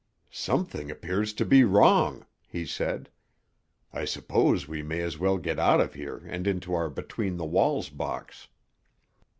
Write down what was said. "Something appears to be wrong," he said. "I suppose we may as well get out of here and into our between the walls box.